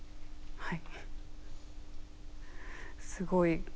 はい。